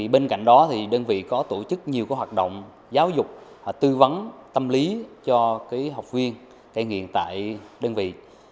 bệnh viện đơn vị có tổ chức nhiều hoạt động giáo dục tư vấn tâm lý cho học viên cai nghiện tại đơn vị